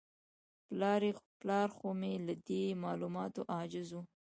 پلار خو مې له دې معلوماتو عاجز و.